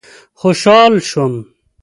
خوشحال شوم.